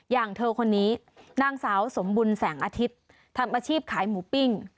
อย่างเธอคนนี้นางสาวสมบุญแสงอาทิตย์ทำอาชีพขายหมูปิ้ง